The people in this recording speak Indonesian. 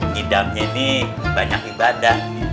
ngidamnya nih banyak ibadah